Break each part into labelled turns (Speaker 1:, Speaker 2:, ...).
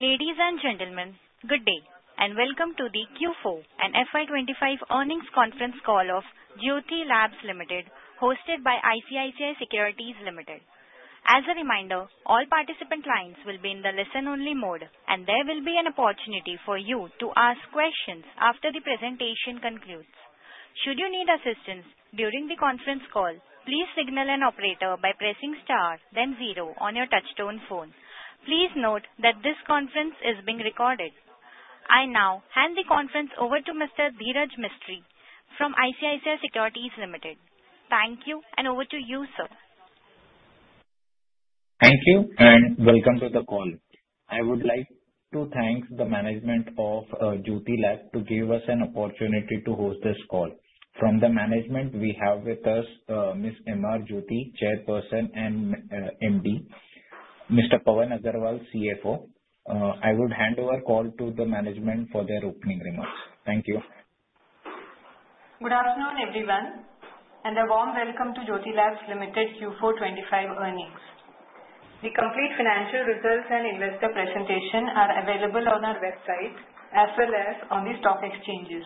Speaker 1: Ladies and gentlemen, good day and welcome to the Q4 and FY25 earnings conference call of Jyothy Labs Limited, hosted by ICICI Securities Limited. As a reminder, all participant lines will be in the listen-only mode, and there will be an opportunity for you to ask questions after the presentation concludes. Should you need assistance during the conference call, please signal an operator by pressing star, then zero on your touch-tone phone. Please note that this conference is being recorded. I now hand the conference over to Mr. Dheeraj Mistry from ICICI Securities Limited. Thank you, and over to you, sir.
Speaker 2: Thank you, and welcome to the call. I would like to thank the management of Jyothy Labs to give us an opportunity to host this call. From the management, we have with us Ms. M.R. Jyothy, Chairperson and MD, Mr. Pawan Agarwal, CFO. I would hand over the call to the management for their opening remarks. Thank you.
Speaker 3: Good afternoon, everyone, and a warm welcome to Jyothy Labs Limited Q4 FY25 earnings. The complete financial results and investor presentation are available on our website as well as on the stock exchanges.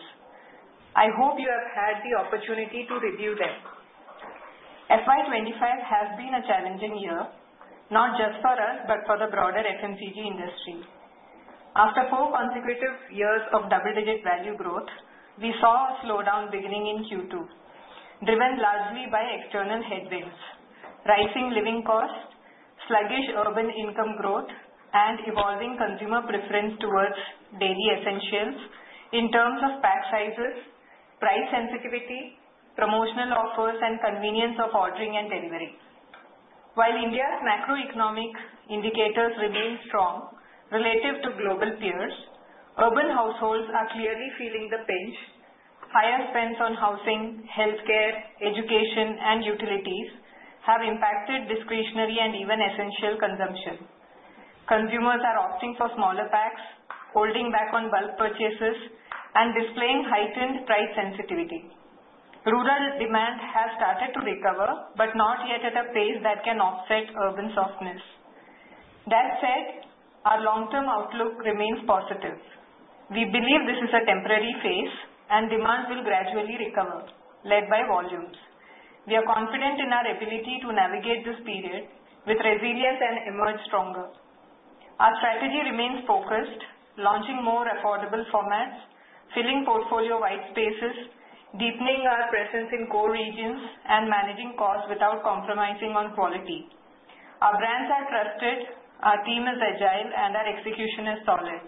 Speaker 3: I hope you have had the opportunity to review them. FY25 has been a challenging year, not just for us but for the broader FMCG industry. After four consecutive years of double-digit value growth, we saw a slowdown beginning in Q2, driven largely by external headwinds: rising living costs, sluggish urban income growth, and evolving consumer preference towards daily essentials in terms of pack sizes, price sensitivity, promotional offers, and convenience of ordering and delivery. While India's macroeconomic indicators remain strong relative to global peers, urban households are clearly feeling the pinch. Higher spends on housing, healthcare, education, and utilities have impacted discretionary and even essential consumption. Consumers are opting for smaller packs, holding back on bulk purchases, and displaying heightened price sensitivity. Rural demand has started to recover but not yet at a pace that can offset urban softness. That said, our long-term outlook remains positive. We believe this is a temporary phase, and demand will gradually recover, led by volumes. We are confident in our ability to navigate this period with resilience and emerge stronger. Our strategy remains focused: launching more affordable formats, filling portfolio white spaces, deepening our presence in core regions, and managing costs without compromising on quality. Our brands are trusted, our team is agile, and our execution is solid.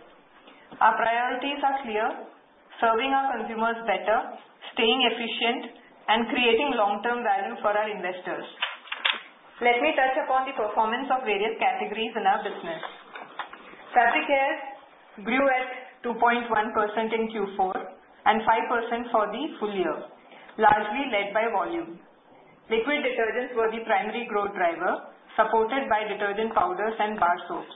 Speaker 3: Our priorities are clear: serving our consumers better, staying efficient, and creating long-term value for our investors. Let me touch upon the performance of various categories in our business. Fabric Care grew at 2.1% in Q4 and 5% for the full year, largely led by volume. Liquid detergents were the primary growth driver, supported by detergent powders and bar soaps.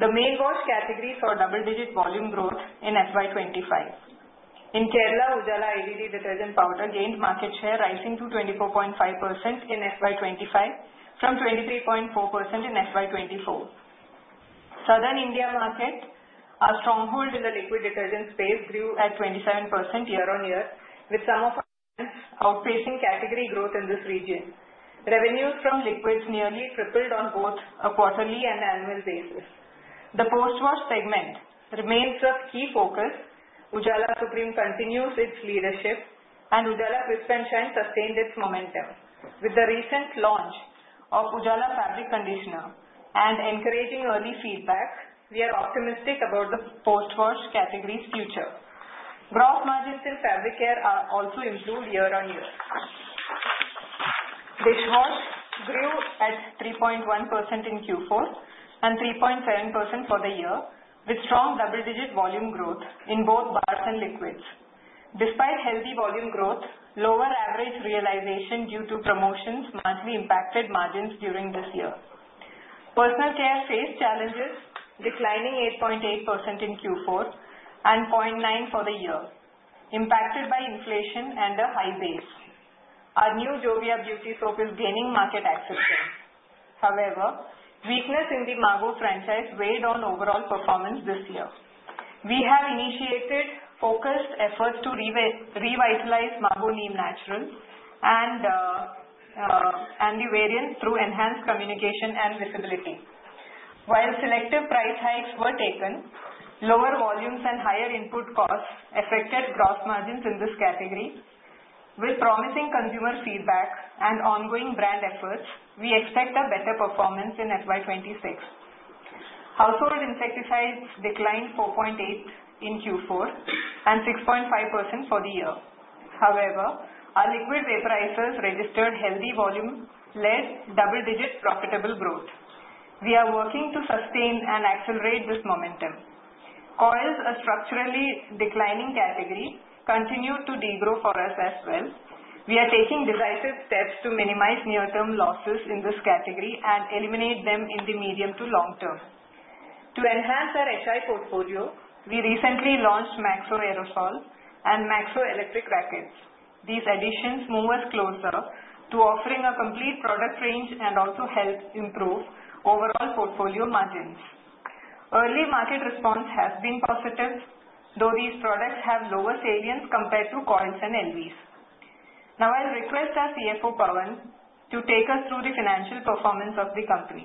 Speaker 3: The main wash category saw double-digit volume growth in FY25. In Kerala, Ujala IDD detergent powder gained market share, rising to 24.5% in FY25 from 23.4% in FY24. South India market, our stronghold in the liquid detergent space, grew at 27% year-on-year, with some of our brands outpacing category growth in this region. Revenues from liquids nearly tripled on both a quarterly and annual basis. The post-wash segment remains a key focus. Ujala Supreme continues its leadership, and Ujala Crisp & Shine sustained its momentum. With the recent launch of Ujala Fabric Conditioner and encouraging early feedback, we are optimistic about the post-wash category's future. Gross margins in Fabric Care are also improved year-on-year. Dishwash grew at 3.1% in Q4 and 3.7% for the year, with strong double-digit volume growth in both bars and liquids. Despite healthy volume growth, lower average realization due to promotions markedly impacted margins during this year. Personal care faced challenges, declining 8.8% in Q4 and 0.9% for the year, impacted by inflation and a high base. Our new Jeeva beauty soap is gaining market acceptance. However, weakness in the Margo franchise weighed on overall performance this year. We have initiated focused efforts to revitalize Margo Neem Naturals and the variant through enhanced communication and visibility. While selective price hikes were taken, lower volumes and higher input costs affected gross margins in this category. With promising consumer feedback and ongoing brand efforts, we expect a better performance in FY26. Household insecticides declined 4.8% in Q4 and 6.5% for the year. However, our liquid vaporizers registered healthy volume-led double-digit profitable growth. We are working to sustain and accelerate this momentum. Coils, a structurally declining category, continued to degrow for us as well. We are taking decisive steps to minimize near-term losses in this category and eliminate them in the medium to long term. To enhance our HI portfolio, we recently launched Maxo Aerosol and Maxo Electric Rackets. These additions move us closer to offering a complete product range and also help improve overall portfolio margins. Early market response has been positive, though these products have lower salience compared to coils and LVs. Now, I'll request our CFO, Pawan, to take us through the financial performance of the company.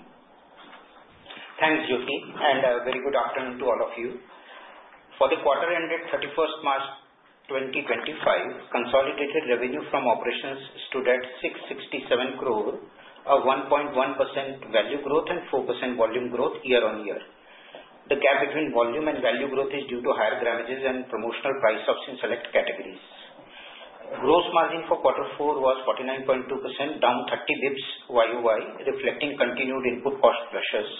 Speaker 4: Thanks, Jyothy, and a very good afternoon to all of you. For the quarter-end date 31st March 2025, consolidated revenue from operations stood at 667 crore, a 1.1% value growth and 4% volume growth year-on-year. The gap between volume and value growth is due to higher grammages and promotional price ups in select categories. Gross margin for quarter four was 49.2%, down 30 basis points YOY, reflecting continued input cost pressures.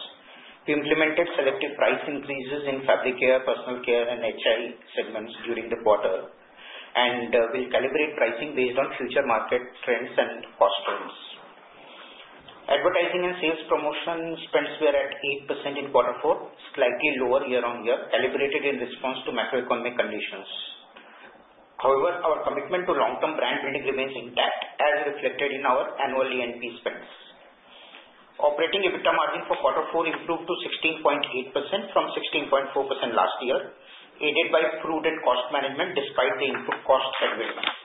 Speaker 4: We implemented selective price increases in Fabric Care, Personal Care, and HI segments during the quarter and will calibrate pricing based on future market trends and cost trends. Advertising and sales promotion spends were at 8% in quarter four, slightly lower year-on-year, calibrated in response to macroeconomic conditions. However, our commitment to long-term brand building remains intact, as reflected in our annual A&P spends. Operating EBITDA margin for quarter four improved to 16.8% from 16.4% last year, aided by prudent cost management despite the input cost advancement.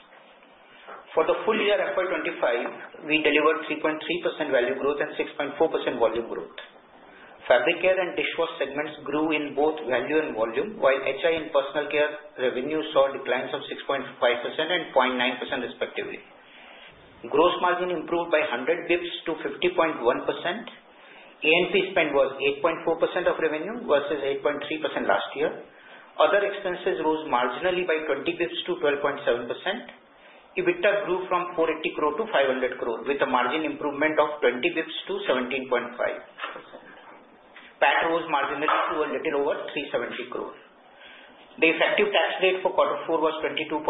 Speaker 4: For the full year FY25, we delivered 3.3% value growth and 6.4% volume growth. Fabric Care and dishwash segments grew in both value and volume, while HI and Personal Care revenues saw declines of 6.5% and 0.9% respectively. Gross margin improved by 100 basis points to 50.1%. A&P spend was 8.4% of revenue versus 8.3% last year. Other expenses rose marginally by 20 basis points to 12.7%. EBITDA grew from 480 crore to 500 crore, with a margin improvement of 20 basis points to 17.5%. PAT rose marginally to a little over 370 crore. The effective tax rate for quarter four was 22.4%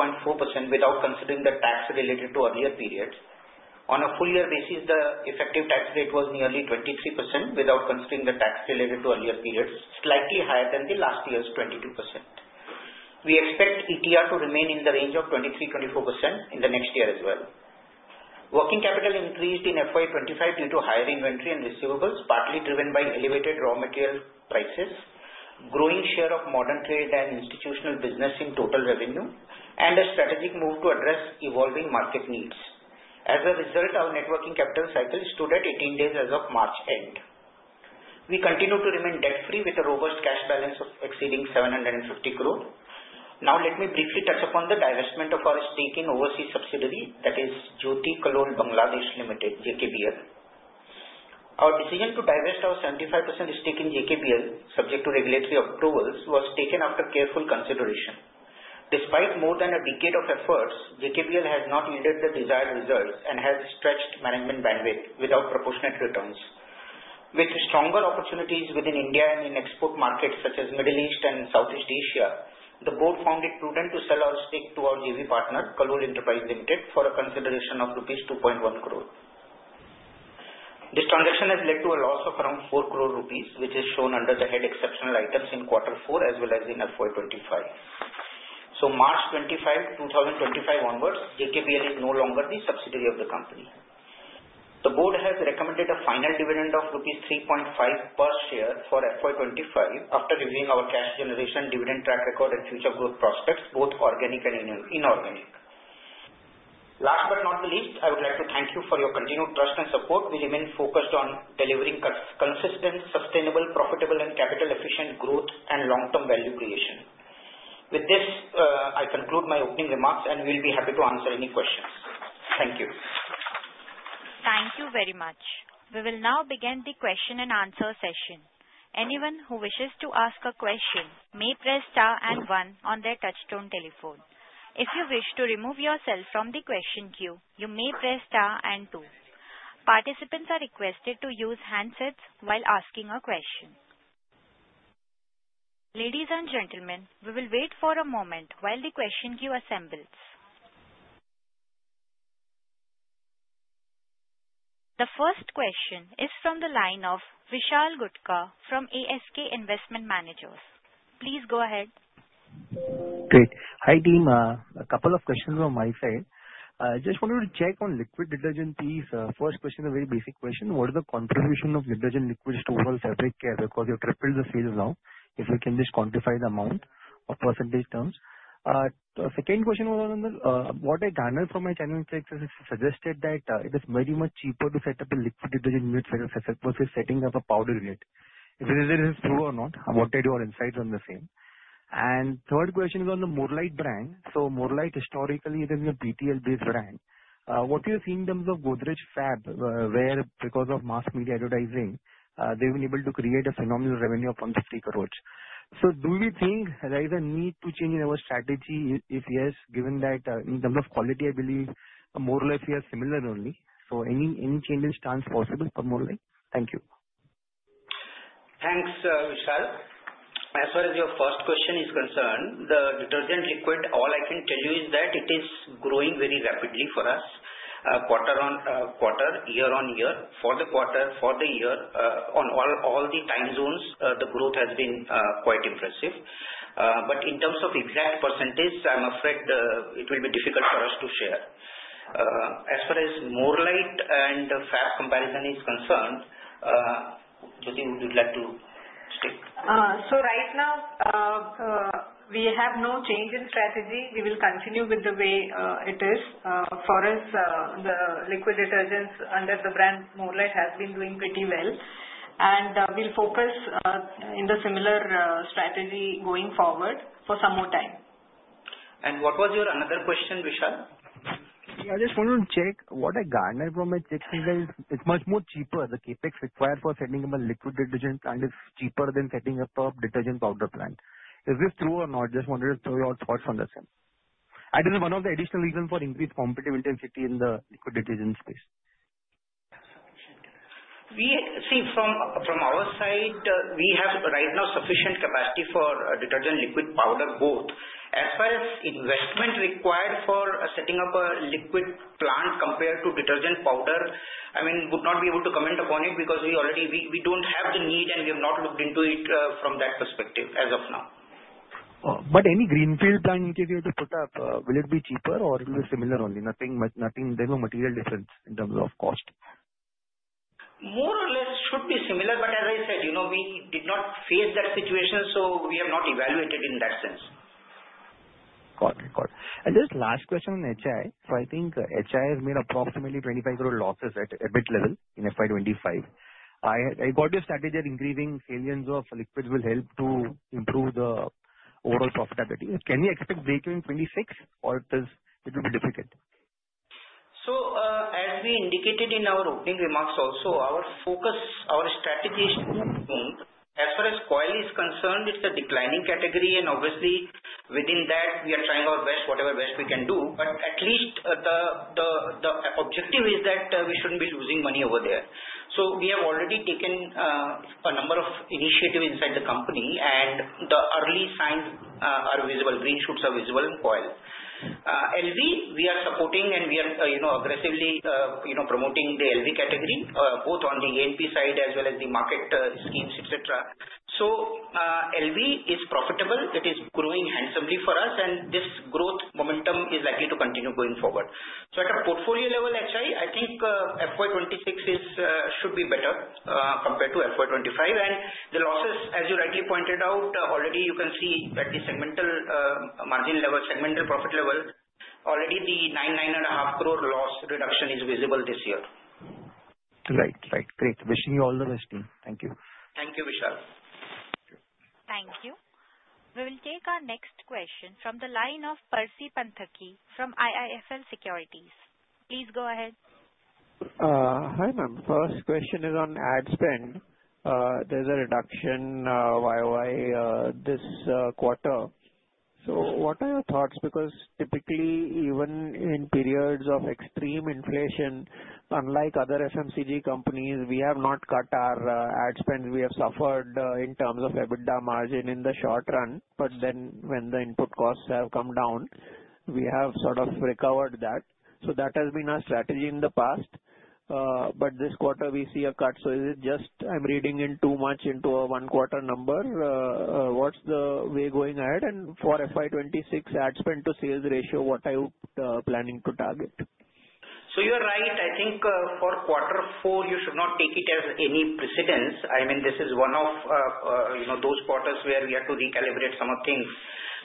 Speaker 4: without considering the tax related to earlier periods. On a full-year basis, the effective tax rate was nearly 23% without considering the tax related to earlier periods, slightly higher than the last year's 22%. We expect ETR to remain in the range of 23%-24% in the next year as well. Working capital increased in FY25 due to higher inventory and receivables, partly driven by elevated raw material prices, growing share of modern trade and institutional business in total revenue, and a strategic move to address evolving market needs. As a result, our net working capital cycle stood at 18 days as of March end. We continue to remain debt-free with a robust cash balance of exceeding 750 crore. Now, let me briefly touch upon the divestment of our stake in overseas subsidiary that is Jyothy Kallol Bangladesh Limited, JKBL. Our decision to divest our 75% stake in JKBL, subject to regulatory approvals, was taken after careful consideration. Despite more than a decade of efforts, JKBL has not yielded the desired results and has stretched management bandwidth without proportionate returns. With stronger opportunities within India and in export markets such as Middle East and Southeast Asia, the board found it prudent to sell our stake to our JV partner, Kallol Enterprises Limited, for a consideration of rupees 2.1 crore. This transaction has led to a loss of around 4 crore rupees, which is shown under the head exceptional items in quarter four as well as in FY25. So, March 25, 2025 onwards, JKBL is no longer the subsidiary of the company. The board has recommended a final dividend of INR 3.5 per share for FY25 after reviewing our cash generation, dividend track record, and future growth prospects, both organic and inorganic. Last but not the least, I would like to thank you for your continued trust and support. We remain focused on delivering consistent, sustainable, profitable, and capital-efficient growth and long-term value creation. With this, I conclude my opening remarks, and we'll be happy to answer any questions. Thank you.
Speaker 1: Thank you very much. We will now begin the question and answer session. Anyone who wishes to ask a question may press star and one on their touch-tone telephone. If you wish to remove yourself from the question queue, you may press star and two. Participants are requested to use handsets while asking a question. Ladies and gentlemen, we will wait for a moment while the question queue assembles. The first question is from the line of Vishal Gutka from ASK Investment Managers. Please go ahead.
Speaker 5: Great. Hi, team. A couple of questions from my side. I just wanted to check on liquid detergents. First question, a very basic question. What is the contribution of detergent liquids to overall fabric care? Because you're tripling the sales now, if we can just quantify the amount or percentage terms. Second question was on what I gathered from my channel insights has suggested that it is very much cheaper to set up a liquid detergent unit versus setting up a powder unit. Whether this is true or not, I want to add your insights on the same. And third question is on the More Light brand. So, More Light, historically, it has been a PTL-based brand. What do you see in terms of Godrej Fab, where because of mass media advertising, they've been able to create a phenomenal revenue of 150 crore? Do we think there is a need to change in our strategy? If yes, given that in terms of quality, I believe More Light here is similar only. So, any change in stance possible for More Light? Thank you.
Speaker 4: Thanks, Vishal. As far as your first question is concerned, the detergent liquid, all I can tell you is that it is growing very rapidly for us quarter on quarter, year on year, for the quarter, for the year. On all the time zones, the growth has been quite impressive. But in terms of exact percentage, I'm afraid it will be difficult for us to share. As far as More Light and Fab comparison is concerned, Jyothy, would you like to stick?
Speaker 3: Right now, we have no change in strategy. We will continue with the way it is. For us, the liquid detergents under the brand MoreLight have been doing pretty well. We'll focus on the similar strategy going forward for some more time.
Speaker 4: What was your another question, Vishal?
Speaker 5: I just wanted to check what I gathered from my checks is that it's much more cheaper. The CapEx required for setting up a liquid detergent plant is cheaper than setting up a detergent powder plant. Is this true or not? Just wanted to throw your thoughts on the same. And is it one of the additional reasons for increased competitive intensity in the liquid detergent space?
Speaker 4: See, from our side, we have right now sufficient capacity for detergent liquid powder both. As far as investment required for setting up a liquid plant compared to detergent powder, I mean, I would not be able to comment upon it because we already don't have the need, and we have not looked into it from that perspective as of now.
Speaker 5: But any greenfield plant, in case you have to put up, will it be cheaper or will it be similar only? Nothing, there's no material difference in terms of cost.
Speaker 4: More or less should be similar, but as I said, we did not face that situation, so we have not evaluated in that sense.
Speaker 5: Got it. Got it. And just last question on HI. So, I think HI has made approximately 25 crore losses at EBIT level in FY25. I got your statement that increasing salience of liquids will help to improve the overall profitability. Can we expect breakeven in 26, or it will be difficult?
Speaker 4: So, as we indicated in our opening remarks also, our focus, our strategy is to move. As far as coil is concerned, it's a declining category, and obviously, within that, we are trying our best, whatever best we can do. But at least the objective is that we shouldn't be losing money over there. So, we have already taken a number of initiatives inside the company, and the early signs are visible. Green shoots are visible in coil. LV, we are supporting, and we are aggressively promoting the LV category, both on the A&P side as well as the market schemes, etc. So, LV is profitable. It is growing handsomely for us, and this growth momentum is likely to continue going forward. So, at a portfolio level, HI, I think FY26 should be better compared to FY25. And the losses, as you rightly pointed out, already you can see at the segmental margin level, segmental profit level, already the 9, 9.5 crore loss reduction is visible this year.
Speaker 5: Right. Right. Great. Wishing you all the best, team. Thank you.
Speaker 4: Thank you, Vishal.
Speaker 1: Thank you. We will take our next question from the line of Percy Panthaki from IIFL Securities. Please go ahead.
Speaker 6: Hi, ma'am. First question is on ad spend. There's a reduction YOY this quarter. So, what are your thoughts? Because typically, even in periods of extreme inflation, unlike other FMCG companies, we have not cut our ad spend. We have suffered in terms of EBITDA margin in the short run. But then, when the input costs have come down, we have sort of recovered that. So, that has been our strategy in the past. But this quarter, we see a cut. So, is it just I'm reading too much into a one-quarter number? What's the way going ahead? And for FY26, ad spend to sales ratio, what are you planning to target?
Speaker 4: You're right. I think for quarter four, you should not take it as any precedent. I mean, this is one of those quarters where we have to recalibrate some of things.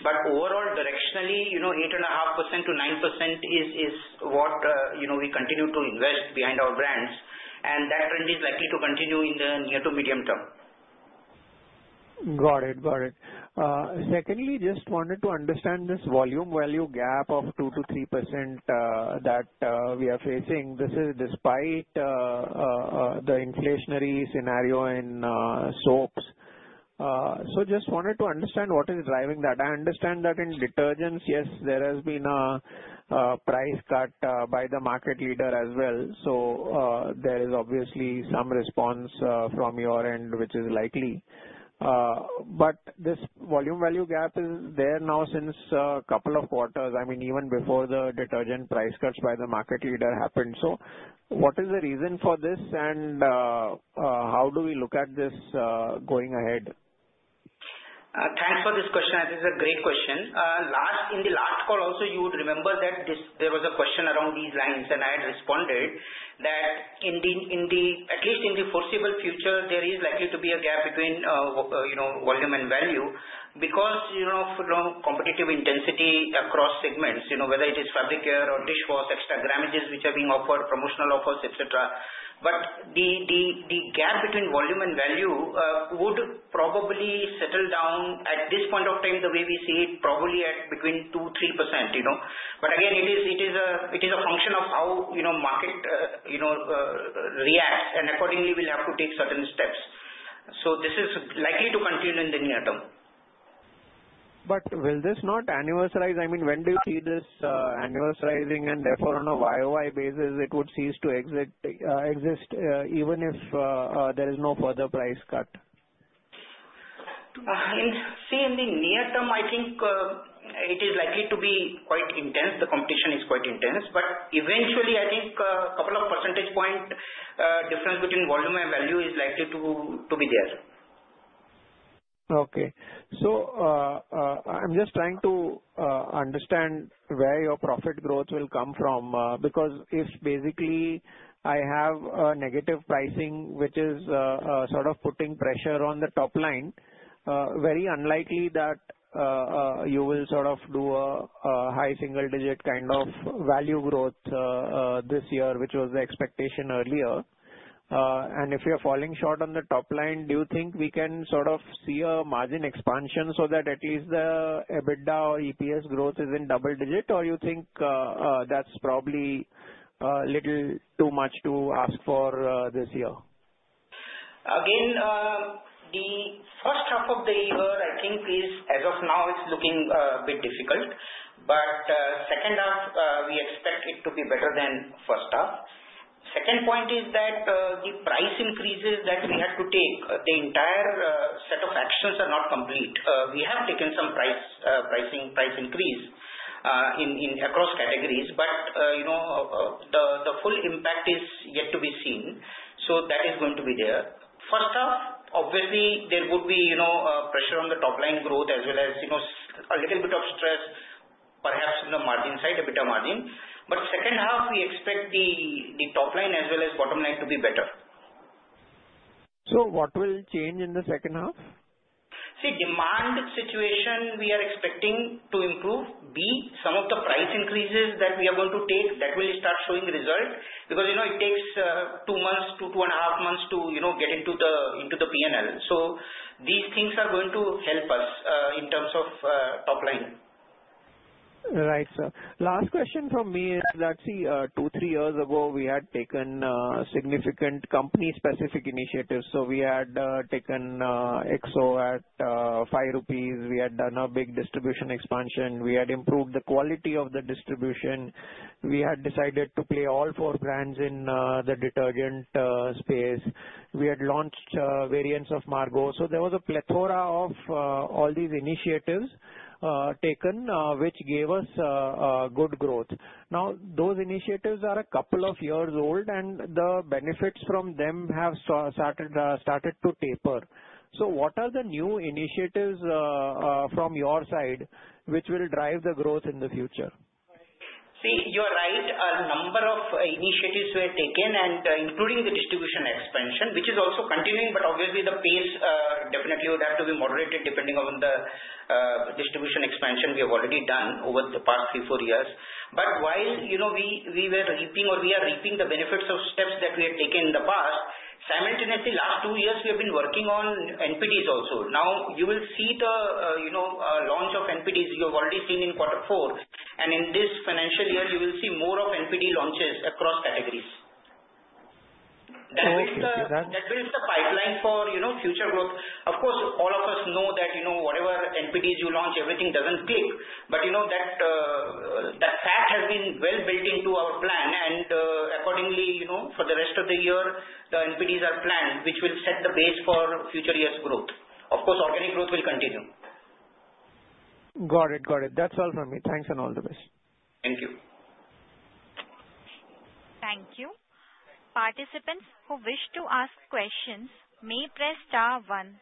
Speaker 4: But overall, directionally, 8.5%-9% is what we continue to invest behind our brands. And that trend is likely to continue in the near to medium term.
Speaker 6: Got it. Got it. Secondly, just wanted to understand this volume-value gap of 2%-3% that we are facing. This is despite the inflationary scenario in soaps. So, just wanted to understand what is driving that. I understand that in detergents, yes, there has been a price cut by the market leader as well. So, there is obviously some response from your end, which is likely. But this volume-value gap is there now since a couple of quarters. I mean, even before the detergent price cuts by the market leader happened. So, what is the reason for this, and how do we look at this going ahead?
Speaker 4: Thanks for this question. This is a great question. In the last call also, you would remember that there was a question around these lines, and I had responded that at least in the foreseeable future, there is likely to be a gap between volume and value because of competitive intensity across segments, whether it is fabric care or dishwash, extra grammages, which are being offered, promotional offers, etc. The gap between volume and value would probably settle down at this point of time, the way we see it, probably between 2%-3%. Again, it is a function of how market reacts, and accordingly, we'll have to take certain steps. This is likely to continue in the near term.
Speaker 6: But will this not annualize? I mean, when do you see this annualizing, and therefore, on a YOY basis, it would cease to exist even if there is no further price cut?
Speaker 4: See, in the near term, I think it is likely to be quite intense. The competition is quite intense. But eventually, I think a couple of percentage point difference between volume and value is likely to be there.
Speaker 6: Okay. So, I'm just trying to understand where your profit growth will come from because if basically I have a negative pricing, which is sort of putting pressure on the top line, very unlikely that you will sort of do a high single-digit kind of value growth this year, which was the expectation earlier, and if you're falling short on the top line, do you think we can sort of see a margin expansion so that at least the EBITDA or EPS growth is in double digit, or you think that's probably a little too much to ask for this year?
Speaker 4: Again, the first half of the year, I think, as of now, it's looking a bit difficult. But second half, we expect it to be better than first half. Second point is that the price increases that we have to take, the entire set of actions are not complete. We have taken some pricing price increase across categories, but the full impact is yet to be seen. So, that is going to be there. First half, obviously, there would be pressure on the top line growth as well as a little bit of stress, perhaps on the margin side, EBITDA margin. But second half, we expect the top line as well as bottom line to be better.
Speaker 6: So, what will change in the second half?
Speaker 4: See, demand situation, we are expecting to improve. B, some of the price increases that we are going to take, that will start showing result because it takes two months to two and a half months to get into the P&L, so these things are going to help us in terms of top line.
Speaker 6: Right. Sir, last question from me is that, see, two, three years ago, we had taken significant company-specific initiatives. So, we had taken Exo at 5 rupees. We had done a big distribution expansion. We had improved the quality of the distribution. We had decided to play all four brands in the detergent space. We had launched variants of Margo. So, there was a plethora of all these initiatives taken, which gave us good growth. Now, those initiatives are a couple of years old, and the benefits from them have started to taper. So, what are the new initiatives from your side, which will drive the growth in the future?
Speaker 4: See, you're right. A number of initiatives were taken, including the distribution expansion, which is also continuing, but obviously, the pace definitely would have to be moderated depending on the distribution expansion we have already done over the past three, four years. But while we were reaping or we are reaping the benefits of steps that we had taken in the past, simultaneously, last two years, we have been working on NPDs also. Now, you will see the launch of NPDs you have already seen in quarter four. And in this financial year, you will see more of NPD launches across categories. That builds the pipeline for future growth. Of course, all of us know that whatever NPDs you launch, everything doesn't click. But that fact has been well built into our plan. Accordingly, for the rest of the year, the NPDs are planned, which will set the base for future year's growth. Of course, organic growth will continue.
Speaker 6: Got it. Got it. That's all from me. Thanks and all the best.
Speaker 4: Thank you.
Speaker 1: Thank you. Participants who wish to ask questions may press star one.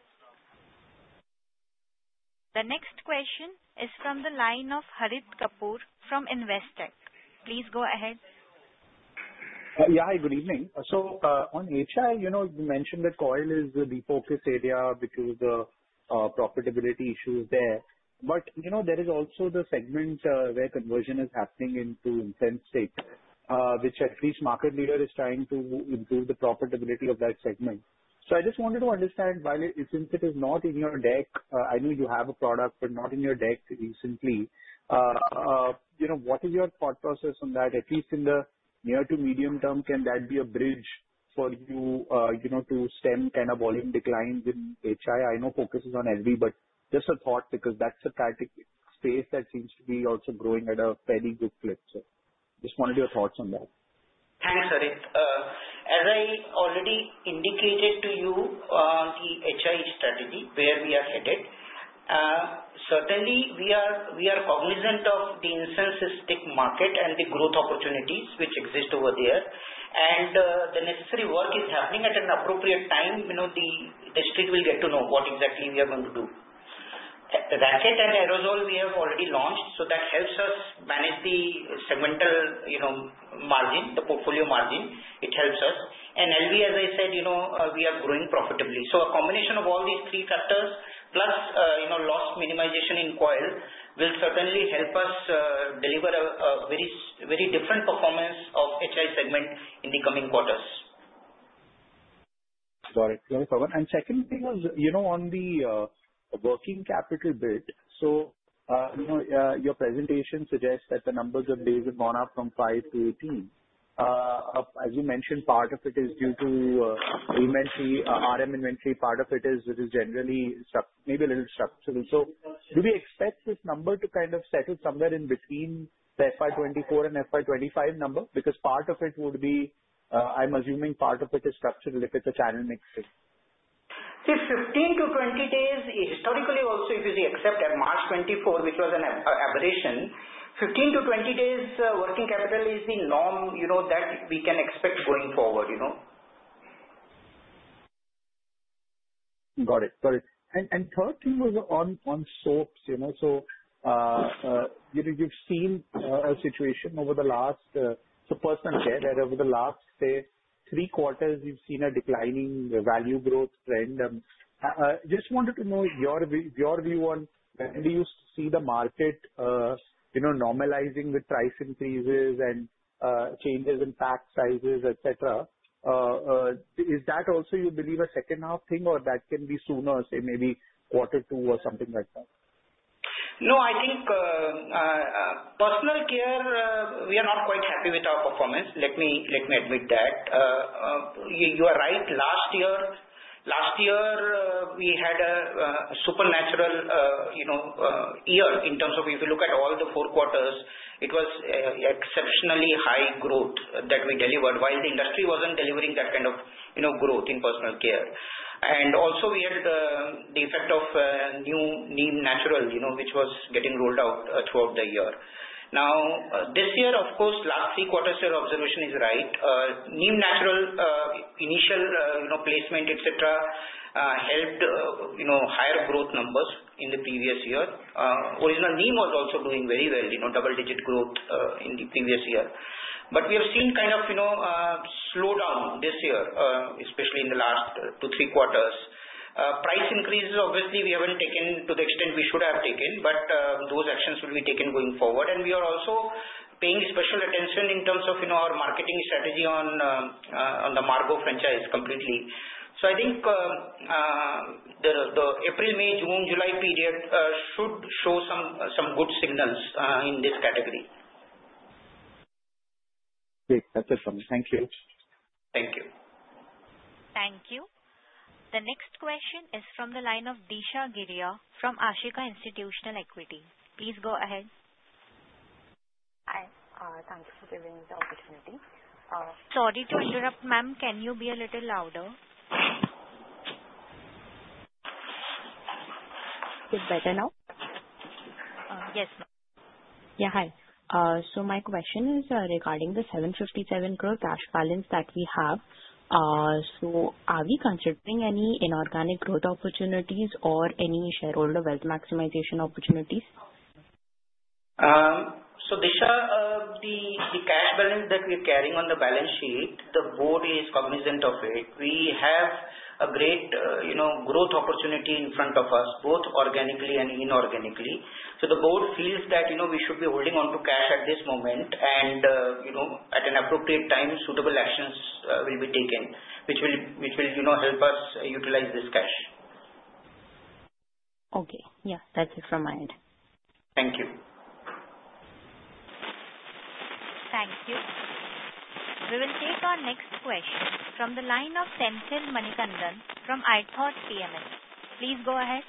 Speaker 1: The next question is from the line of Harit Kapoor from Investec. Please go ahead.
Speaker 7: Yeah. Hi, good evening. So, on HI, you mentioned that coil is the focus area because of the profitability issues there. But there is also the segment where conversion is happening into aerosol, which at least market leader is trying to improve the profitability of that segment. So, I just wanted to understand, since it is not in your deck, I know you have a product, but not in your deck recently. What is your thought process on that? At least in the near to medium term, can that be a bridge for you to stem kind of volume declines in HI? I know focus is on LV, but just a thought because that's a space that seems to be also growing at a fairly good clip. So, just wanted your thoughts on that.
Speaker 4: Thanks, Harit. As I already indicated to you, the HI strategy, where we are headed, certainly, we are cognizant of the insecticide market and the growth opportunities which exist over there. And the necessary work is happening at an appropriate time. The rest will get to know what exactly we are going to do. Racket and Aerosol, we have already launched. So, that helps us manage the segmental margin, the portfolio margin. It helps us. And LV, as I said, we are growing profitably. So, a combination of all these three factors, plus loss minimization in coil, will certainly help us deliver a very different performance of HI segment in the coming quarters.
Speaker 7: Got it. Thanks, Pawan. And second thing is on the working capital bid. So, your presentation suggests that the numbers have basically gone up from 5% to 18%. As you mentioned, part of it is due to RM inventory. Part of it is generally maybe a little structural. So, do we expect this number to kind of settle somewhere in between the FY24 and FY25 number? Because part of it would be, I'm assuming, part of it is structural if it's a channel mixing.
Speaker 4: See, 15-20 days, historically, also, if you accept March 2024, which was an aberration, 15-20 days working capital is the norm that we can expect going forward.
Speaker 7: Got it. Got it. And third thing was on soaps. So, you've seen a situation over the last three quarters in personal care. You've seen a declining value growth trend. Just wanted to know your view on that, and do you see the market normalizing with price increases and changes in pack sizes, etc.? Is that also, you believe, a second-half thing, or that can be sooner, say, maybe quarter two or something like that?
Speaker 4: No, I think personal care, we are not quite happy with our performance. Let me admit that. You are right. Last year, we had a supernormal year in terms of, if you look at all the four quarters, it was exceptionally high growth that we delivered while the industry wasn't delivering that kind of growth in personal care. And also, we had the effect of Neem Naturals, which was getting rolled out throughout the year. Now, this year, of course, last three quarters, your observation is right. Neem Naturals, initial placement, etc., helped higher growth numbers in the previous year. Original Neem was also doing very well, double-digit growth in the previous year. But we have seen kind of slowdown this year, especially in the last two, three quarters. Price increases, obviously, we haven't taken to the extent we should have taken, but those actions will be taken going forward. And we are also paying special attention in terms of our marketing strategy on the Margo franchise completely. So, I think the April, May, June, July period should show some good signals in this category.
Speaker 7: Great. That's it from me. Thank you.
Speaker 4: Thank you.
Speaker 1: Thank you. The next question is from the line of Disha Giria from Ashika Institutional Equity. Please go ahead.
Speaker 8: Hi. Thank you for giving me the opportunity.
Speaker 1: Sorry to interrupt, ma'am. Can you be a little louder?
Speaker 8: Is it better now?
Speaker 1: Yes, ma'am.
Speaker 8: Yeah. Hi. So, my question is regarding the 757 gross cash balance that we have. So, are we considering any inorganic growth opportunities or any shareholder wealth maximization opportunities?
Speaker 4: So, Disha, the cash balance that we are carrying on the balance sheet, the board is cognizant of it. We have a great growth opportunity in front of us, both organically and inorganically. So, the board feels that we should be holding on to cash at this moment, and at an appropriate time, suitable actions will be taken, which will help us utilize this cash.
Speaker 8: Okay. Yeah. That's it from my end.
Speaker 4: Thank you.
Speaker 1: Thank you. We will take our next question from the line of Senthil Manikandan from iThought PMS. Please go ahead.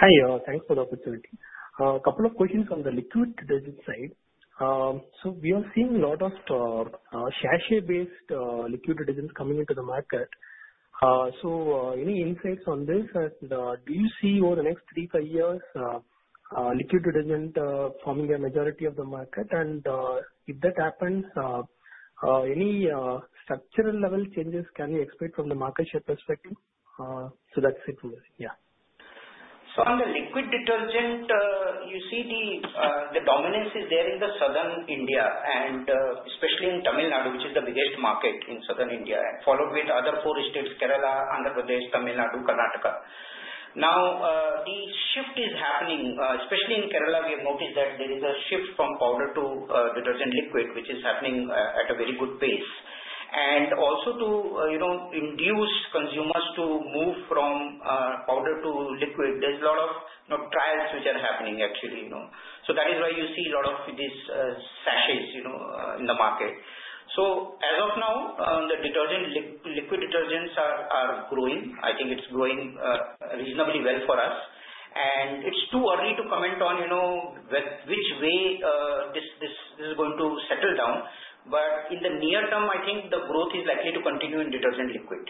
Speaker 9: Hi. Thanks for the opportunity. A couple of questions on the liquid detergent side. So, we are seeing a lot of sachet-based liquid detergents coming into the market. So, any insights on this? And do you see over the next three, five years, liquid detergent forming a majority of the market? And if that happens, any structural level changes can we expect from the market share perspective? So, that's it from me. Yeah.
Speaker 4: On the liquid detergent, you see the dominance is there in the South India, and especially in Tamil Nadu, which is the biggest market in southern India, followed with other four states: Kerala, Andhra Pradesh, Tamil Nadu, Karnataka. Now, the shift is happening, especially in Kerala. We have noticed that there is a shift from powder to detergent liquid, which is happening at a very good pace. And also, to induce consumers to move from powder to liquid, there's a lot of trials which are happening, actually. That is why you see a lot of these sachets in the market. As of now, the liquid detergents are growing. I think it's growing reasonably well for us. And it's too early to comment on which way this is going to settle down. But in the near term, I think the growth is likely to continue in detergent liquid.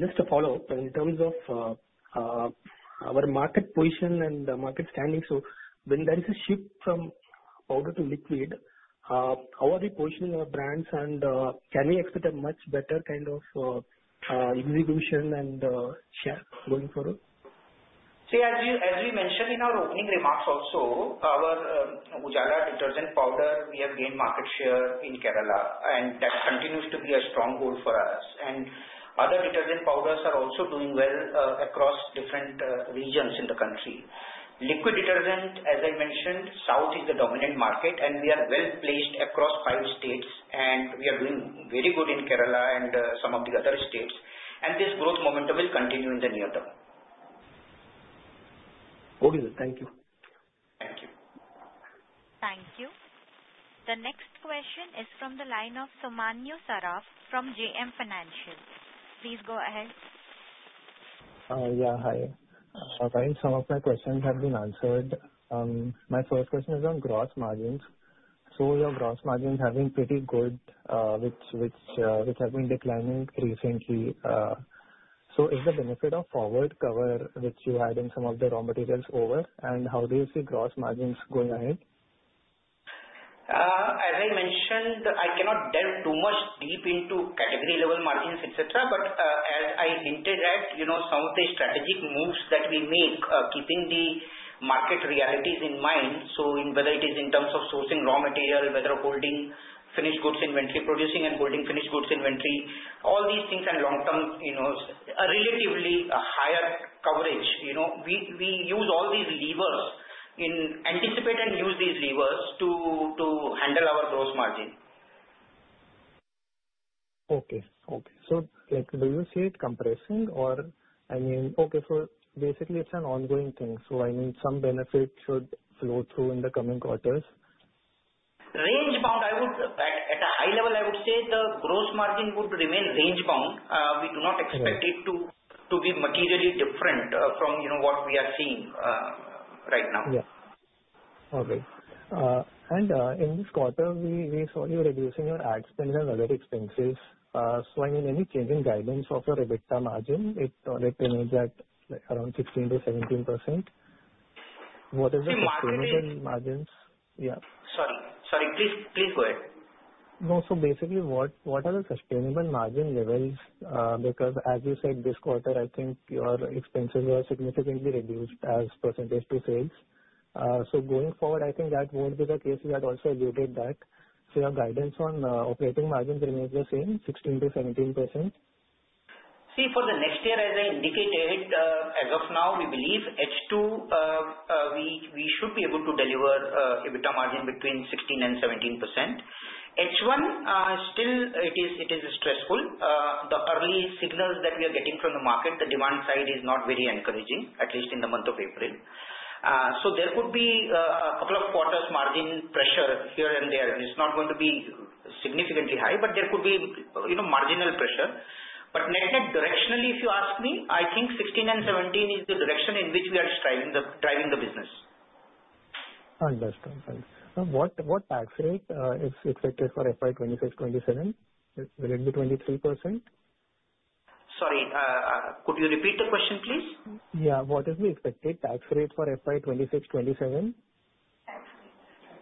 Speaker 9: Just a follow-up. In terms of our market position and the market standing, so when there is a shift from powder to liquid, how are we positioning our brands, and can we expect a much better kind of execution and share going forward?
Speaker 4: See, as we mentioned in our opening remarks also, our Ujala detergent powder, we have gained market share in Kerala, and that continues to be a stronghold for us. And other detergent powders are also doing well across different regions in the country. Liquid detergent, as I mentioned, South is the dominant market, and we are well placed across five states, and we are doing very good in Kerala and some of the other states. And this growth momentum will continue in the near term.
Speaker 9: Okay. Thank you.
Speaker 4: Thank you.
Speaker 1: Thank you. The next question is from the line of Sumanyu Saraf from JM Financial. Please go ahead.
Speaker 10: Yeah. Hi. All right. Some of my questions have been answered. My first question is on gross margins. So, your gross margins have been pretty good, which have been declining recently. So, is the benefit of forward cover, which you had in some of the raw materials over, and how do you see gross margins going ahead?
Speaker 4: As I mentioned, I cannot delve too much deep into category-level margins, etc. But as I hinted at, some of the strategic moves that we make, keeping the market realities in mind, so whether it is in terms of sourcing raw material, whether holding finished goods inventory, producing and holding finished goods inventory, all these things and long-term relatively higher coverage, we use all these levers, anticipate and use these levers to handle our gross margin.
Speaker 10: Okay. So, do you see it compressing or I mean, okay, so basically, it's an ongoing thing. So, I mean, some benefit should flow through in the coming quarters?
Speaker 4: Range-bound, at a high level, I would say the gross margin would remain range-bound. We do not expect it to be materially different from what we are seeing right now.
Speaker 10: Yeah. Okay. And in this quarter, we saw you reducing your ad spend and other expenses. So, I mean, any change in guidance of your EBITDA margin? It remains at around 16%-17%. What is the sustainable margins?
Speaker 4: Sorry. Please go ahead.
Speaker 10: No. So, basically, what are the sustainable margin levels? Because, as you said, this quarter, I think your expenses were significantly reduced as percentage to sales. So, going forward, I think that won't be the case. You had also alluded that. So, your guidance on operating margins remains the same, 16%-17%?
Speaker 4: See, for the next year, as I indicated, as of now, we believe H2, we should be able to deliver EBITDA margin between 16% and 17%. H1, still, it is stressful. The early signals that we are getting from the market, the demand side is not very encouraging, at least in the month of April. So, there could be a couple of quarters' margin pressure here and there. It's not going to be significantly high, but there could be marginal pressure. But net-net directionally, if you ask me, I think 16 and 17 is the direction in which we are driving the business.
Speaker 10: Understood. Thanks. What tax rate is expected for FY26-27? Will it be 23%?
Speaker 4: Sorry. Could you repeat the question, please?
Speaker 10: Yeah. What is the expected tax rate for FY2026-2027?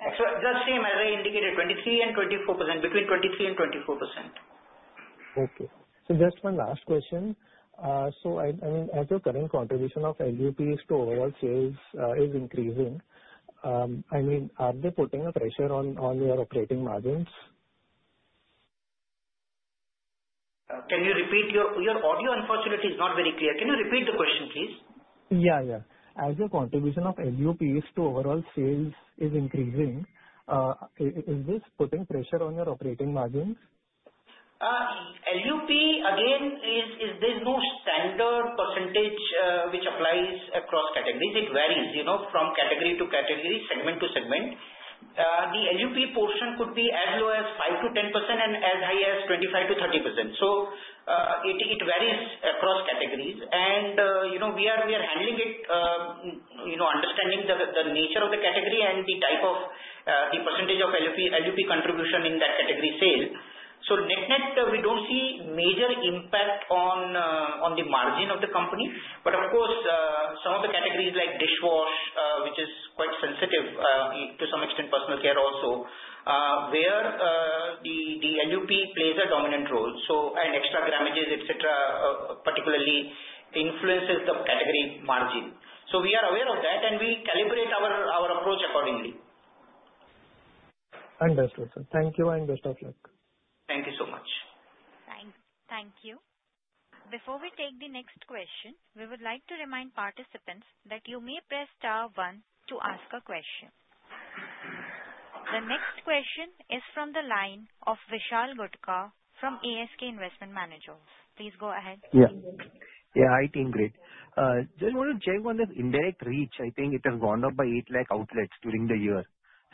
Speaker 4: That's the same, as I indicated, 23% and 24%, between 23% and 24%.
Speaker 10: Okay. So, just one last question. So, I mean, as your current contribution of LUPs to overall sales is increasing, I mean, are they putting a pressure on your operating margins?
Speaker 4: Can you repeat your audio? Unfortunately, it's not very clear. Can you repeat the question, please?
Speaker 10: Yeah. Yeah. As your contribution of LUPs to overall sales is increasing, is this putting pressure on your operating margins?
Speaker 4: LUP, again, there's no standard percentage which applies across categories. It varies from category to category, segment to segment. The LUP portion could be as low as 5%-10% and as high as 25%-30%. So, it varies across categories. And we are handling it, understanding the nature of the category and the type of the percentage of LUP contribution in that category sale. So, net-net, we don't see major impact on the margin of the company. But, of course, some of the categories like dishwash, which is quite sensitive to some extent, personal care also, where the LUP plays a dominant role. So, and extra grammages, etc., particularly influences the category margin. So, we are aware of that, and we calibrate our approach accordingly.
Speaker 10: Understood. Thank you and best of luck.
Speaker 4: Thank you so much.
Speaker 1: Thank you. Before we take the next question, we would like to remind participants that you may press star 1 to ask a question. The next question is from the line of Vishal Gutka from ASK Investment Managers. Please go ahead.
Speaker 5: Yeah. Yeah. Hi, team. Great. Just wanted to check on this indirect reach. I think it has gone up by 8 lakh outlets during the year.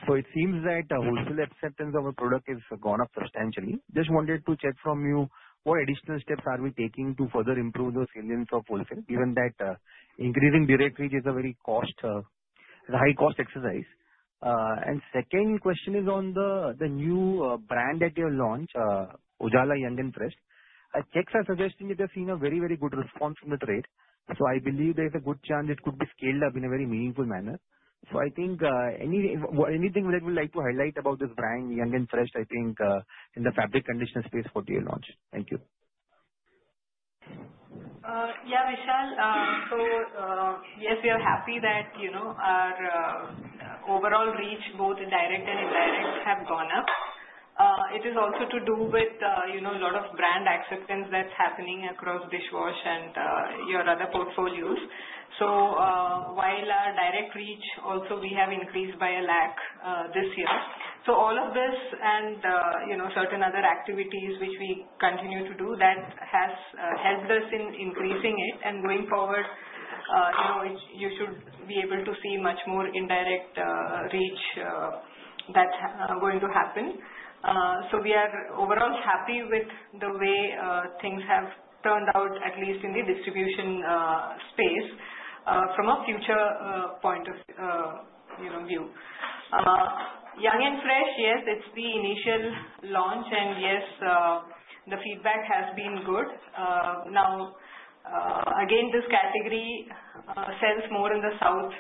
Speaker 5: So, it seems that wholesale acceptance of a product has gone up substantially. Just wanted to check from you, what additional steps are we taking to further improve the salience of wholesale? Given that increasing direct reach is a very high-cost exercise. And second question is on the new brand that you launched, Ujala Yangin Fresh. Techs are suggesting that they've seen a very, very good response from the trade. So, I believe there's a good chance it could be scaled up in a very meaningful manner. So, I think anything that you would like to highlight about this brand, Yangin Fresh in the fabric conditioner space for your launch? Thank you.
Speaker 3: Yeah, Vishal. So, yes, we are happy that our overall reach, both direct and indirect, have gone up. It is also to do with a lot of brand acceptance that's happening across dishwash and your other portfolios. So, while our direct reach also we have increased by a lakh this year. So, all of this and certain other activities which we continue to do, that has helped us in increasing it. And going forward, you should be able to see much more indirect reach that's going to happen. So, we are overall happy with the way things have turned out, at least in the distribution space, from a future point of view. Yangin Fresh, yes, it's the initial launch, and yes, the feedback has been good. Now, again, this category sells more in the south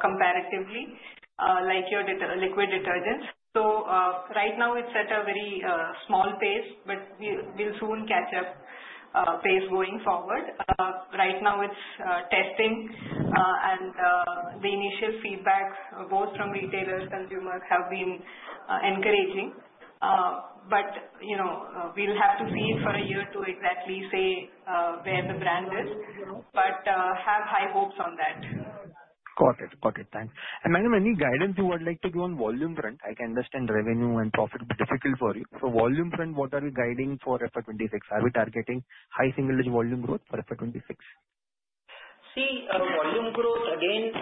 Speaker 3: comparatively, like your liquid detergents. Right now, it's at a very small pace, but we'll soon catch up pace going forward. Right now, it's testing, and the initial feedback, both from retailers, consumers, have been encouraging. We'll have to see for a year to exactly say where the brand is, but have high hopes on that.
Speaker 5: Got it. Got it. Thanks. And ma'am, any guidance you would like to do on volume front? I can understand revenue and profit would be difficult for you. So, volume front, what are we guiding for FY26? Are we targeting high single-digit volume growth for FY26?
Speaker 4: See, volume growth, again,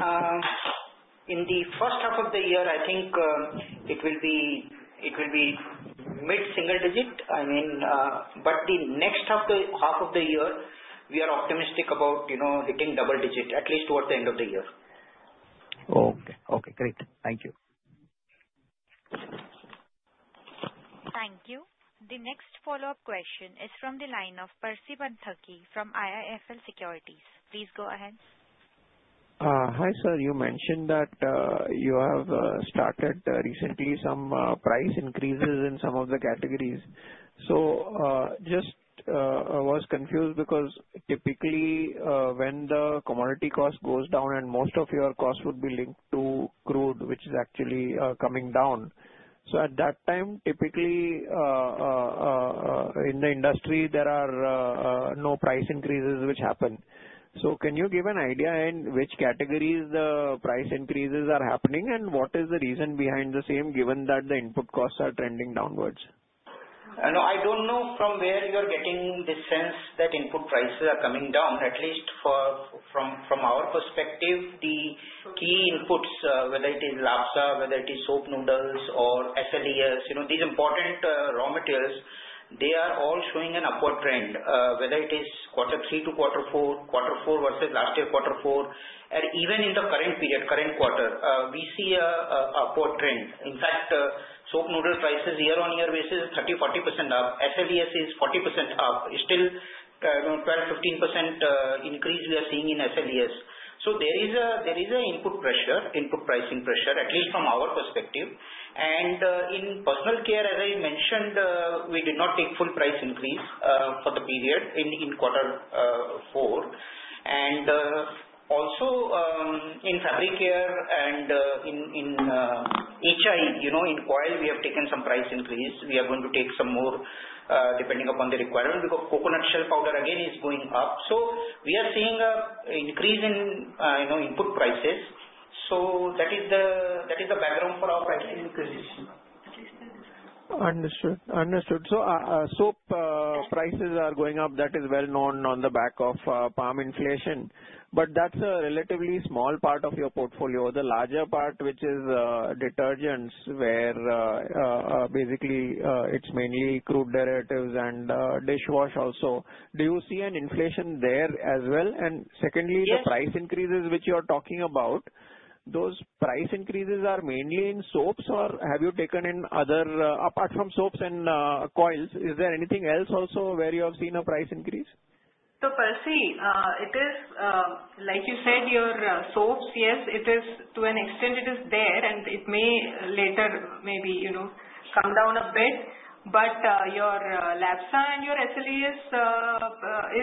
Speaker 4: in the first half of the year, I think it will be mid-single digit. I mean, but the next half of the year, we are optimistic about hitting double digit, at least towards the end of the year.
Speaker 5: Okay. Okay. Great. Thank you.
Speaker 1: Thank you. The next follow-up question is from the line of Percy Panthaki from IIFL Securities. Please go ahead.
Speaker 6: Hi, sir. You mentioned that you have started recently some price increases in some of the categories. So, just I was confused because typically, when the commodity cost goes down and most of your cost would be linked to crude, which is actually coming down, so at that time, typically, in the industry, there are no price increases which happen. So, can you give an idea in which categories the price increases are happening, and what is the reason behind the same, given that the input costs are trending downwards?
Speaker 4: I don't know from where you're getting the sense that input prices are coming down. At least from our perspective, the key inputs, whether it is LABSA, whether it is soap noodles, or SLES, these important raw materials, they are all showing an upward trend. Whether it is quarter three to quarter four, quarter four versus last year quarter four, and even in the current period, current quarter, we see an upward trend. In fact, soap noodle prices year-on-year basis are 30%-40% up. SLES is 40% up. Still, 12%-15% increase we are seeing in SLES. So, there is an input pressure, input pricing pressure, at least from our perspective. And in personal care, as I mentioned, we did not take full price increase for the period in quarter four. And also, in fabric care and in HI, in coil, we have taken some price increase. We are going to take some more depending upon the requirement because coconut shell powder, again, is going up. So, we are seeing an increase in input prices. So, that is the background for our price increase.
Speaker 6: Understood. Understood. So, soap prices are going up. That is well known on the back of palm inflation. But that's a relatively small part of your portfolio. The larger part, which is detergents, where basically, it's mainly crude derivatives and dishwash also. Do you see an inflation there as well? And secondly, the price increases which you are talking about, those price increases are mainly in soaps, or have you taken in other apart from soaps and coils, is there anything else also where you have seen a price increase?
Speaker 3: So, Percy, it is, like you said, your soaps, yes, to an extent, it is there, and it may later maybe come down a bit. But your LABSA and your SLES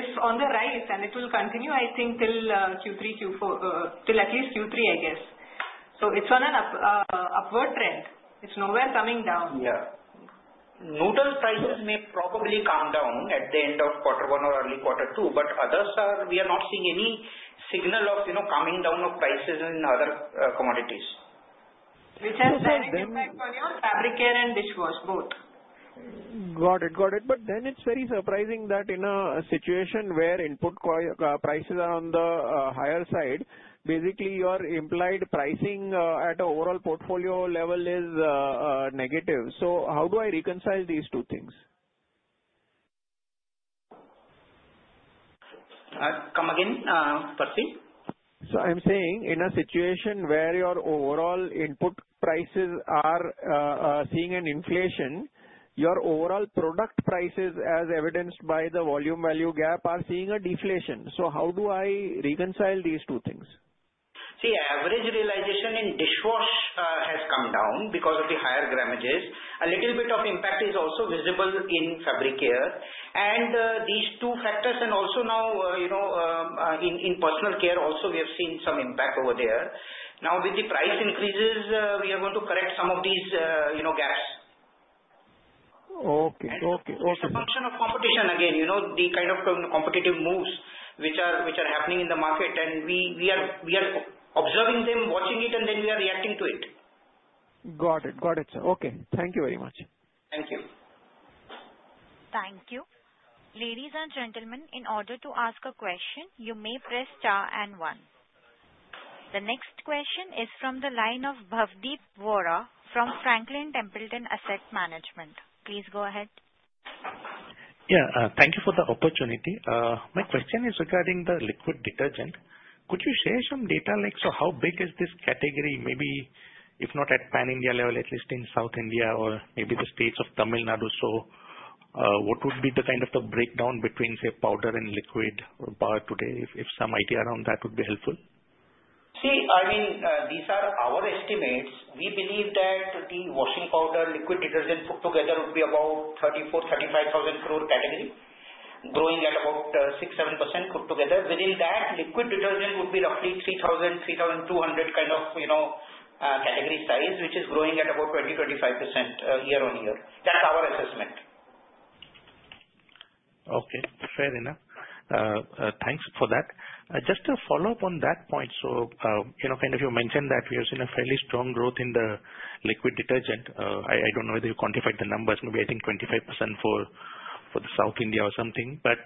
Speaker 3: is on the rise, and it will continue, I think, till Q3, Q4, till at least Q3, I guess. So, it's on an upward trend. It's nowhere coming down.
Speaker 6: Yeah. noodle prices may probably come down at the end of quarter one or early quarter two, but others, we are not seeing any signal of coming down of prices in other commodities,
Speaker 3: which has a direct impact on your fabric care and dishwash, both.
Speaker 6: Got it. Got it. But then it's very surprising that in a situation where input prices are on the higher side, basically, your implied pricing at an overall portfolio level is negative. So, how do I reconcile these two things?
Speaker 4: Come again, Percy?
Speaker 6: So, I'm saying in a situation where your overall input prices are seeing an inflation, your overall product prices, as evidenced by the volume-value gap, are seeing a deflation. So, how do I reconcile these two things?
Speaker 4: See, average realization in dishwash has come down because of the higher grammages. A little bit of impact is also visible in fabric care. And these two factors, and also now in personal care also, we have seen some impact over there. Now, with the price increases, we are going to correct some of these gaps.
Speaker 6: Okay. Okay. Okay.
Speaker 4: It's a function of competition again, the kind of competitive moves which are happening in the market, and we are observing them, watching it, and then we are reacting to it.
Speaker 6: Got it. Got it, sir. Okay. Thank you very much.
Speaker 4: Thank you.
Speaker 1: Thank you. Ladies and gentlemen, in order to ask a question, you may press star and one. The next question is from the line of Bhavdeep Vora from Franklin Templeton Asset Management. Please go ahead.
Speaker 11: Yeah. Thank you for the opportunity. My question is regarding the liquid detergent. Could you share some data? So, how big is this category, maybe if not at pan-India level, at least in South India or maybe the states of Tamil Nadu? So, what would be the kind of breakdown between, say, powder and liquid today? If some idea around that would be helpful.
Speaker 4: See, I mean, these are our estimates. We believe that the washing powder, liquid detergent put together would be about 34-35 thousand crore category, growing at about 6-7% put together. Within that, liquid detergent would be roughly 3,000-3,200 kind of category size, which is growing at about 20-25% year-on-year. That's our assessment.
Speaker 11: Okay. Fair enough. Thanks for that. Just to follow up on that point, so kind of you mentioned that we have seen a fairly strong growth in the liquid detergent. I don't know whether you quantified the numbers. Maybe I think 25% for the South India or something. But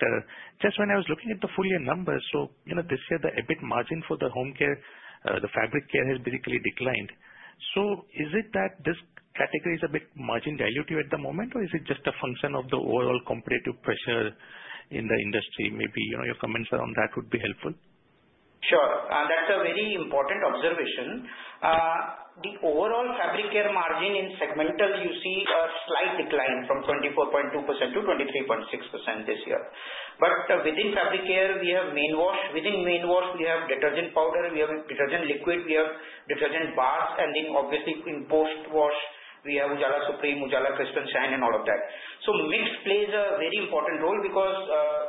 Speaker 11: just when I was looking at the full year numbers, so this year, the EBIT margin for the home care, the fabric care has basically declined. So is it that this category is a bit margin diluted at the moment, or is it just a function of the overall competitive pressure in the industry? Maybe your comments around that would be helpful.
Speaker 4: Sure. That's a very important observation. The overall fabric care margin in segmental, you see a slight decline from 24.2% to 23.6% this year. But within fabric care, we have main wash. Within main wash, we have detergent powder, we have detergent liquid, we have detergent bars, and then obviously in post-wash, we have Ujala Supreme, Ujala Crisp and Shine, and all of that. So mix plays a very important role because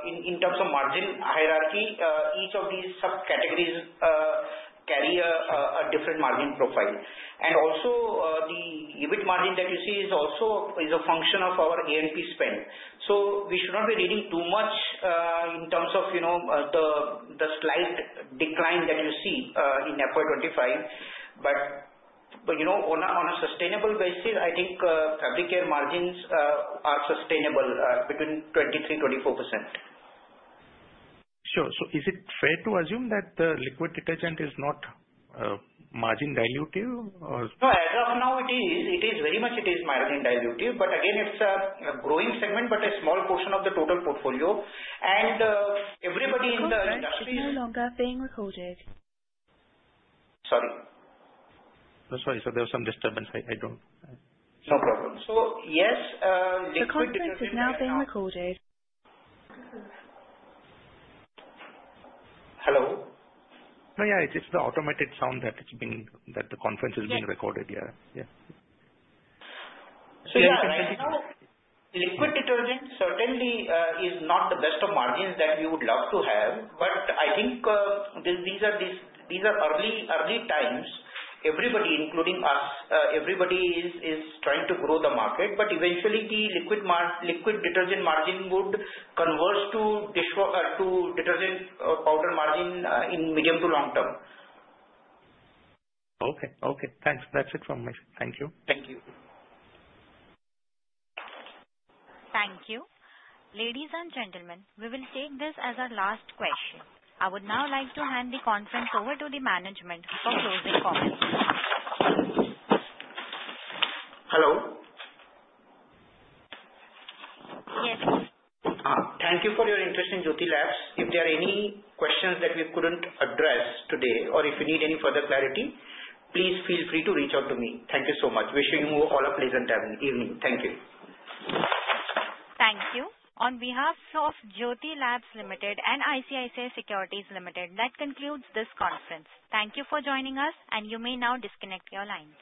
Speaker 4: in terms of margin hierarchy, each of these subcategories carry a different margin profile. And also, the EBIT margin that you see is also a function of our A&P spend. So we should not be reading too much in terms of the slight decline that you see in FY25. But on a sustainable basis, I think fabric care margins are sustainable between 23%-24%.
Speaker 11: Sure. So is it fair to assume that the liquid detergent is not margin diluted or?
Speaker 4: No, as of now, it is. It is very much margin diluted. But again, it's a growing segment, but a small portion of the total portfolio. And everybody in the industry is.
Speaker 1: This call is no longer being recorded.
Speaker 4: Sorry.
Speaker 11: Sorry. So there was some disturbance. I don't.
Speaker 4: No problem. So yes, liquid detergent.
Speaker 1: This call is now being recorded.
Speaker 4: Hello?
Speaker 11: No, yeah. It's the automated sound that the conference is being recorded. Yeah. Yeah.
Speaker 4: So yeah, I know liquid detergent certainly is not the best of margins that we would love to have. But I think these are early times. Everybody, including us, everybody is trying to grow the market. But eventually, the liquid detergent margin would converge to detergent powder margin in medium to long term.
Speaker 11: Okay. Thanks. That's it from my side. Thank you.
Speaker 4: Thank you.
Speaker 1: Thank you. Ladies and gentlemen, we will take this as our last question. I would now like to hand the conference over to the management for closing comments.
Speaker 4: Hello?
Speaker 1: Yes.
Speaker 4: Thank you for your interest in Jyothy Labs. If there are any questions that we couldn't address today, or if you need any further clarity, please feel free to reach out to me. Thank you so much. Wishing you all a pleasant evening. Thank you.
Speaker 1: Thank you. On behalf of Jyothy Labs Limited and ICICI Securities Limited, that concludes this conference. Thank you for joining us, and you may now disconnect your line.